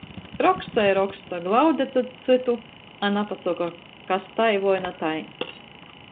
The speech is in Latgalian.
Roksta i roksta, glauda cyts cytu, a napasoka, kas tai voi na tai.